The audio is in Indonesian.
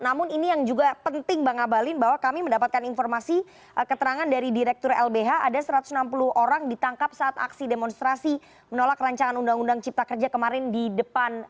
namun ini yang juga penting bang abalin bahwa kami mendapatkan informasi keterangan dari direktur lbh ada satu ratus enam puluh orang ditangkap saat aksi demonstrasi menolak rancangan undang undang cipta kerja kemarin di depan